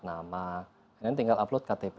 nama ini tinggal upload ktp